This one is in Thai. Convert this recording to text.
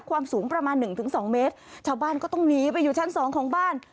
ความสูงประมาณ๑๒เมตรชาวบ้านก็ต้องหนีไปอยู่ชั้น๒ของบ้าน